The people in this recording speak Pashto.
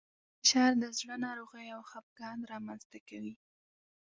فشار د زړه ناروغۍ او خپګان رامنځ ته کوي.